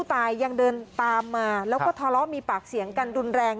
ตายยังเดินตามมาแล้วก็ทะเลาะมีปากเสียงกันรุนแรง